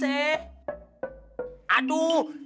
neneknya mami mer